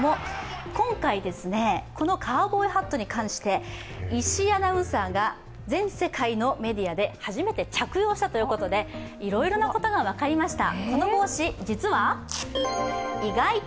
今回、このカウボーイハットに関して石井アナウンサーが全世界で初めて着用したということでいろいろなことが分かりました。